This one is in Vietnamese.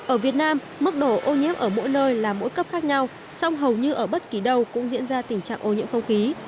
ở việt nam mức độ ô nhiễm ở mỗi nơi là mỗi cấp khác nhau song hầu như ở bất kỳ đâu cũng diễn ra tình trạng ô nhiễm không khí